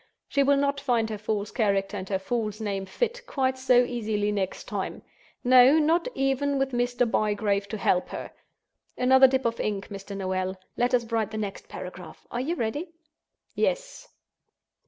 She will not find her false character and her false name fit quite so easily next time—no, not even with Mr. Bygrave to help her! Another dip of ink, Mr. Noel; let us write the next paragraph. Are you ready?" "Yes."